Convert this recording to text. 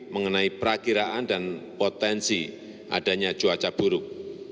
mengenai perakiraan dan potensi adanya cuaca buruk